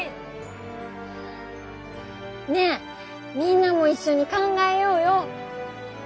ねえみんなもいっしょに考えようよ。